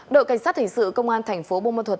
đội cảnh sát hình sự công an thành phố bông môn thuật